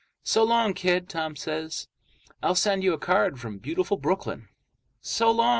"So long, kid," Tom says. "I'll send you a card from Beautiful Brooklyn!" "So long."